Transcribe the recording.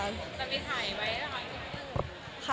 แล้วมีถ่ายไว้สักปี